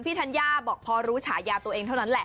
ธัญญาบอกพอรู้ฉายาตัวเองเท่านั้นแหละ